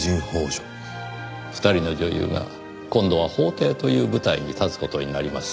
２人の女優が今度は法廷という舞台に立つ事になります。